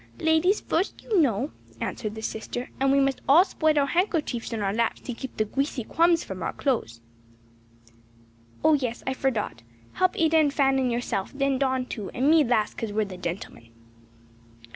"Ladies first, you know," answered the sister, "and we must all spread our handkerchiefs in our laps to keep the greasy crumbs from our clothes." "Oh, yes; I fordot. Help Ada and Fan and yourself, then Don too, and me last 'cause we're the gentlemen."